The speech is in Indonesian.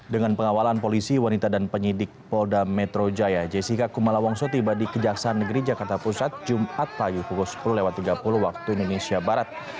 dengan pengawalan polisi wanita dan penyidik polda metro jaya jessica kumala wongso tiba di kejaksaan negeri jakarta pusat jumat pagi pukul sepuluh tiga puluh waktu indonesia barat